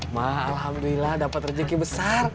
mah alhamdulillah dapat rezeki besar